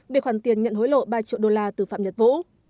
về khoản tiền nhận hối lộ ba triệu đô la từ phạm nhật vũ